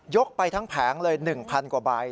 ไปทั้งแผงเลย๑๐๐กว่าใบ